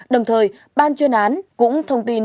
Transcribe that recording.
đồng thời ban chuyên án cũng thông tin